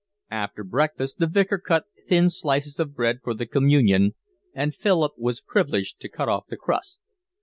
After breakfast the Vicar cut thin slices of bread for the communion, and Philip was privileged to cut off the crust.